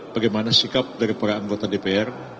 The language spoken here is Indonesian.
bagaimana sikap dari para anggota dpr